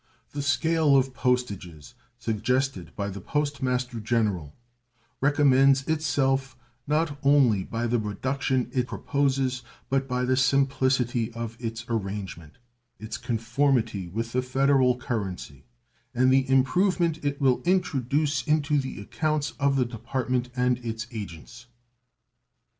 The scale of postages suggested by the Post Master General recommends itself, not only by the reduction it proposes, but by the simplicity of its arrangement, its conformity with the Federal currency, and the improvement it will introduce into the accounts of the Department and its agents.